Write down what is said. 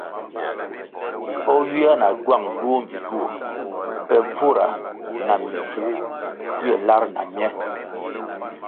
O ywia na gywang duo mbpi duo pe bvura na mimbvū ywe lar na mye.